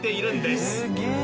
すげえ！